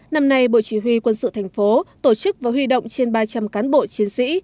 năm nay bộ chỉ huy quân sự thành phố tổ chức và huy động trên ba trăm linh cán bộ chiến sĩ